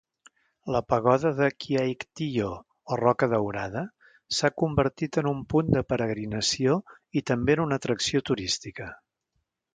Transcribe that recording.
La pagoda de Kyaiktiyo, o Roca Daurada, s'ha convertit en un punt de peregrinació i també en una atracció turística.